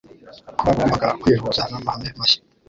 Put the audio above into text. ko bagombaga kwihuza n'amahame mashya: